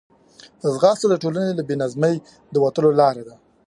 ځغاسته د ټولنې له بې نظمۍ د وتلو لار ده